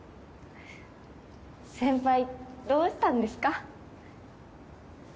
先輩どうしたんですか？